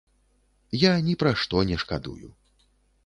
Я ні пра што не шкадую.